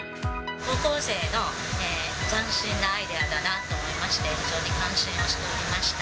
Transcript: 高校生の斬新なアイデアだなと思いまして、非常に感心をしておりました。